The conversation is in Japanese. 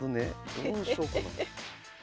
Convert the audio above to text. どうしようかな。